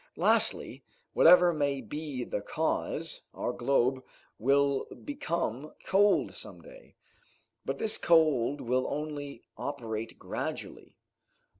Lastly, whatever may be the cause, our globe will become cold some day, but this cold will only operate gradually.